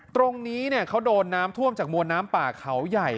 ตรงนี้เขาโดนน้ำท่วมจากมวลน้ำป่าเขาใหญ่